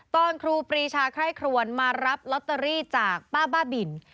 ครูปรีชาไคร่ครวนมารับลอตเตอรี่จากป้าบ้าบิน